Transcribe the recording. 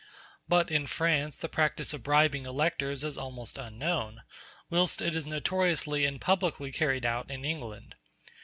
But in France the practice of bribing electors is almost unknown, whilst it is notoriously and publicly carried on in England.